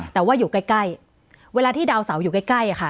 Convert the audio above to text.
แต่ว่าอยู่ใกล้เวลาที่ดาวเสาอยู่ใกล้ค่ะ